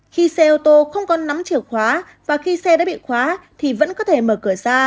khi xe ô tô không có nắm chìa khóa và khi xe đã bị khóa thì vẫn có thể mở cửa ra